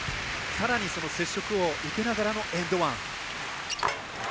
さらに接触を受けながらのエンドワン。